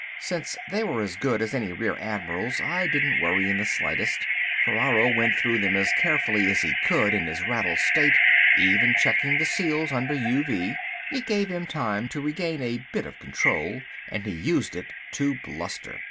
Since they were as good as any real admiral's I didn't worry in the slightest. Ferraro went through them as carefully as he could in his rattled state, even checking the seals under UV. It gave him time to regain a bit of control and he used it to bluster.